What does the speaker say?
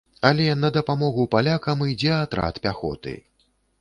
Але на дапамогу палякам ідзе атрад пяхоты.